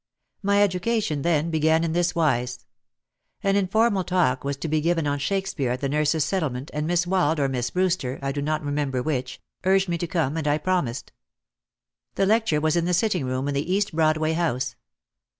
My education, then, began in this wise. An informal talk was to be given on Shakespeare at the Nurses' Set tlement and Miss Wald or Miss Brewster, I do not remember which, urged me to come and I promised. The lecture was in the sitting room in the East Broadway house.